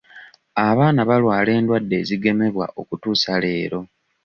Abaana balwala endwadde ezigemebwa okutuusa leero.